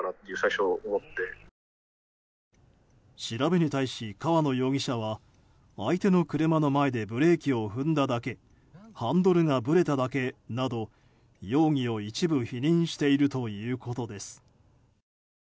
調べに対し河野容疑者は相手の車の前でブレーキを踏んだだけハンドルがぶれただけなど容疑を一部否認しているということです。